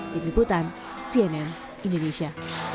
di pembutan cnn indonesia